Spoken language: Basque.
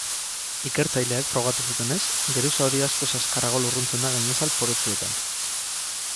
Ikertzaileek frogatu zutenez, geruza hori askoz azkarrago lurruntzen da gainazal porotsuetan.